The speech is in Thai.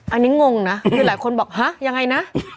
อันนี้งงนะคือหลายคนบอกฮะยังไงนะ